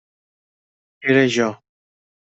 Era jo.